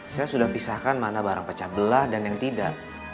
saya sudah pisahkan mana barang pecah belah dan yang tidak